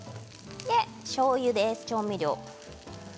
しょうゆです、調味料。